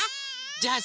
じゃあさ